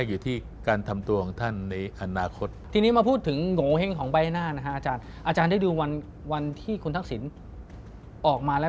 ออกมาจากสนามบินน่าหน้าราสีก็โอเค